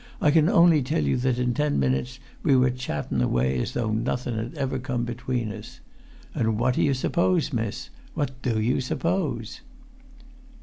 "I can only tell you that in ten minutes we were chattun away as though nothun had ever come between us. And what do you suppose, miss? What do you suppose?"